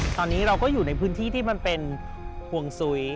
ตอนนี้เราก็อยู่ในพื้นที่ที่มันเป็นห่วงซุ้ย